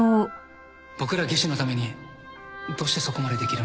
僕ら技師のためにどうしてそこまでできるんですか？